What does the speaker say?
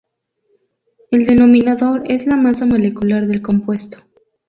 El denominador es la masa molecular del compuesto.